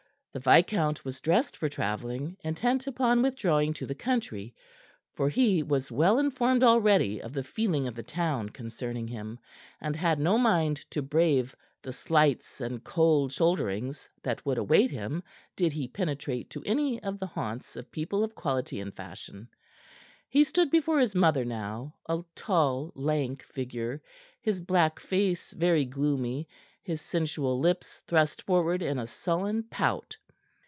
The viscount was dressed for travelling, intent upon withdrawing to the country, for he was well informed already of the feeling of the town concerning him, and had no mind to brave the slights and cold shoulderings that would await him did he penetrate to any of the haunts of people of quality and fashion. He stood before his mother now, a tall, lank figure, his black face very gloomy, his sensual lips thrust forward in a sullen pout.